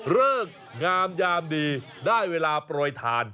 เริ่มงามยามดีได้เวลาโปรยทาน